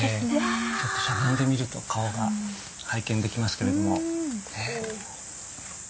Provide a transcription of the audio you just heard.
ちょっとしゃがんでみると顔が拝見できますけれども。